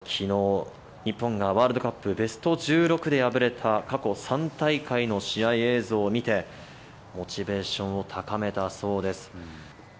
権田選手はきのう、日本がワールドカップベスト１６で敗れた過去３大会の試合映像を見て、モチベーションを高めたそうです。